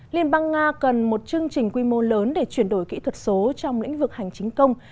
liên bang nga cần một chương trình quy mô lớn để chuyển đổi kỹ thuật số trong lĩnh vực hành chính công